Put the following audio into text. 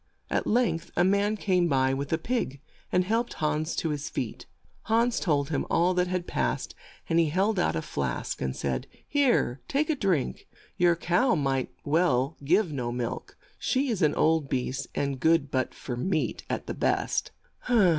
At length a man came by with a pig, and helped Hans to his feet. Hans told him all that had passed, and he held out a flask and said : "Here take a drink. Your cow might well give no milk; 128 HANS IN LUCK she is an old beast, and good but for meat at the best."